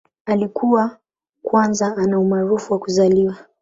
Alikuwa kwanza ana umaarufu wa kuzaliwa.